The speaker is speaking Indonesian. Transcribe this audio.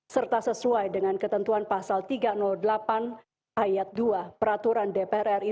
serta sesuai dengan ketentuan pasal tiga ratus delapan ayat dua peraturan dpr ri